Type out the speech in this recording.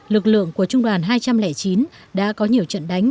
lực lượng của trung đoàn hai trăm linh chín đã có nhiều trận đánh